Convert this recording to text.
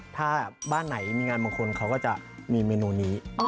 ถ้าบ้านไหนมีงานมงคลเขาก็จะมีเมนูนี้